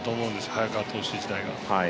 早川投手自体は。